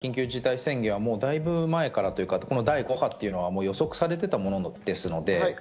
今回の緊急事態宣言はだいぶ前からというか第５波は予測されていたものです。